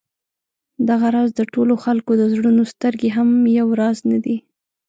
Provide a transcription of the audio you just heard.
دغه راز د ټولو خلکو د زړونو سترګې هم یو راز نه دي.